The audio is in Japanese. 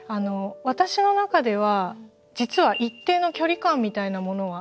私の中では実は一定の距離感みたいなものがあるんですよ。